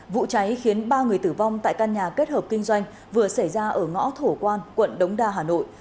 vụ cháy khiến ba người tử vong tại căn nhà kết hợp kinh doanh vừa xảy ra ở ngõ thổ quan quận đống đa hà nội